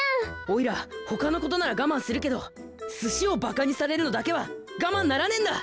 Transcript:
おいらほかのことならがまんするけどすしをバカにされるのだけはがまんならねえんだ！